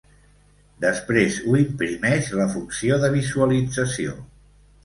Després ho imprimeix la funció de visualització.